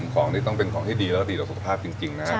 ของนี่ต้องเป็นของที่ดีแล้วก็ดีต่อสุขภาพจริงนะครับ